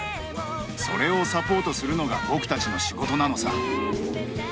それをサポートするのが僕たちの仕事なのさ。